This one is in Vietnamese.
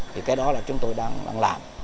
thì cái đó là chúng tôi đang làm